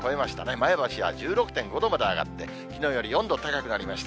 前橋は１６．５度まで上がって、きのうより４度高くなりました。